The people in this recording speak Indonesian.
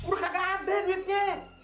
lo kagak ada duitnya